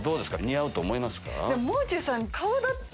似合うと思いますか？